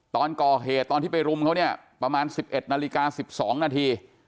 ตอนก่อเหตุตอนที่ไปรุมเขาเนี่ยประมาณ๑๑นาฬิกา๑๒นาที